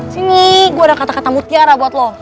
sini gue ada kata kata mutiara buat lo